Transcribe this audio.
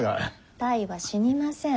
泰は死にません。